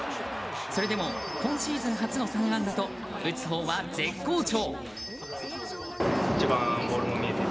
それでも今シーズン初の３安打と打つほうは絶好調！